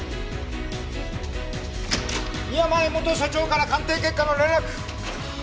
宮前元所長から鑑定結果の連絡！